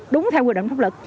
đúng theo quy định pháp lực